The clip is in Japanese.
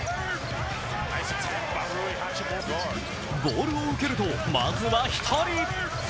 ボールを受けると、まずは１人。